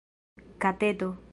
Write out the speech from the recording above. kateto